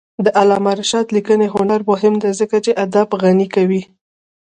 د علامه رشاد لیکنی هنر مهم دی ځکه چې ادب غني کوي.